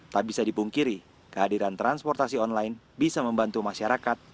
tak bisa dipungkiri kehadiran transportasi online bisa membantu masyarakat